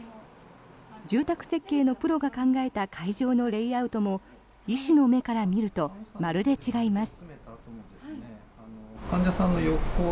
住宅設計のプロが考えた会場のレイアウトも医師の目から見るとまるで違います。